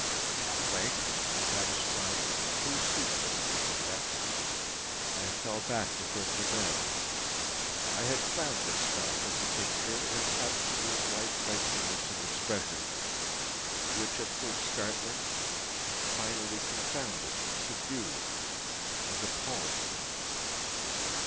At length, satisfied with the true secret of its effect, I fell back within the bed. I had found the spell of the picture in an absolute life likeliness of expression, which, at first startling, finally confounded, subdued, and appalled me.